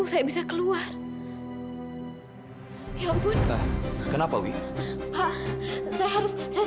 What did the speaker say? sekarang tete yang pergi